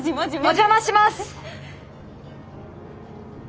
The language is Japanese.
お邪魔します！